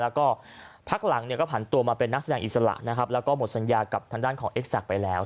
แล้วก็พักหลังเนี่ยก็ผันตัวมาเป็นนักแสดงอิสระนะครับแล้วก็หมดสัญญากับทางด้านของเอ็กซักไปแล้ว